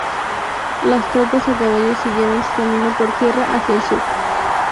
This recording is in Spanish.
Las tropas a caballo siguieron su camino por tierra hacia el sur.